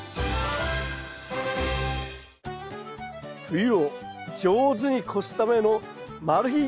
冬を上手に越すためのマル秘